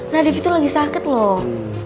nadif itu lagi sakit loh